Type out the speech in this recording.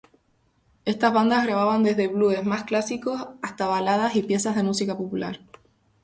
Estas bandas grababan desde "blues" más clásicos hasta baladas y piezas de música popular.